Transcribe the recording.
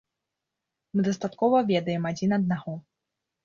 Мы дастаткова ведаем адзін аднаго.